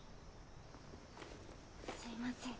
すいません。